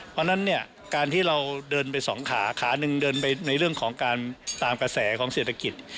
เพราะฉะนั้นเนี่ยการที่เราเดินไปสองขาขาหนึ่งเดินไปในเรื่องของการตามกระแสของเศรษฐกิจ